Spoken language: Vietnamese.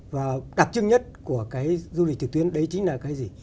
và đặc trưng nhất của cái du lịch trực tuyến đấy chính là cái gì